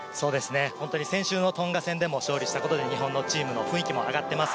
本当に先週のトンガ戦でも勝利したことで、日本のチームの雰囲気も上がってます。